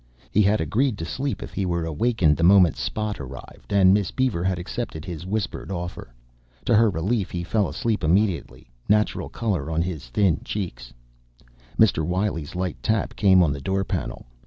He had agreed to sleep if he were awakened the moment Spot arrived, and Miss Beaver had accepted his whispered offer. To her relief, he fell asleep immediately, natural color on his thin cheeks. Mr. Wiley's light tap came on the door panel.